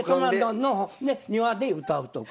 の庭で歌うとか。